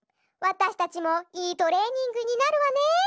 わたしたちもいいトレーニングになるわね。